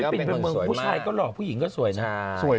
ใช่ฟิลิปปินต์เป็นเมืองผู้ชายก็หล่อผู้หญิงก็สวยนะ